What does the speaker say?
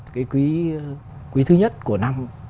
cái quý thứ nhất của năm